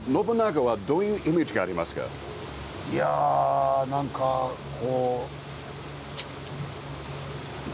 いやなんかこう。